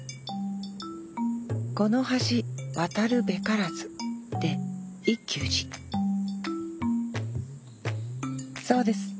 「このはしわたるべからず」で一休寺そうです。